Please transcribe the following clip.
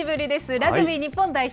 ラグビー日本代表。